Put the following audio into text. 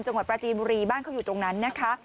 จังหวัดปราจีนบุรีบ้านเขาอยู่ตรงนั้นนะคะ